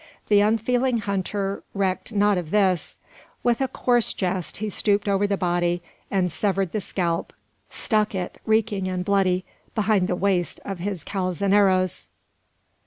The unfeeling hunter recked not of this. With a coarse jest he stooped over the body; and severing the scalp, stuck it, reeking and bloody, behind the waist of his calzoneros!